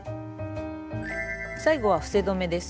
最後は伏せ止めです。